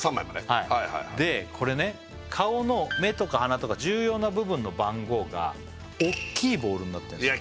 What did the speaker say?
はいはいはいでこれね顔の目とか鼻とか重要な部分の番号が大きいボールになってるんですよ